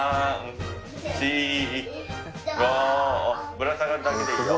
ぶら下がるだけでいいよ。